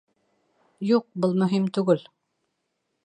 Юҡ, был мөһим түгел.